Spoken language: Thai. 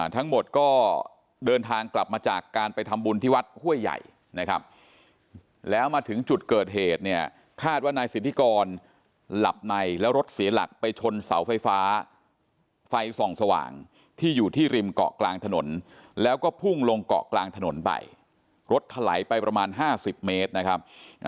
ทั้งหมดก็เดินทางกลับมาจากการไปทำบุญที่วัดห้วยใหญ่นะครับแล้วมาถึงจุดเกิดเหตุเนี่ยคาดว่านายสิทธิกรหลับในแล้วรถเสียหลักไปชนเสาไฟฟ้าไฟส่องสว่างที่อยู่ที่ริมเกาะกลางถนนแล้วก็พุ่งลงเกาะกลางถนนไปรถถลายไปประมาณ๕๐เมตรนะครับ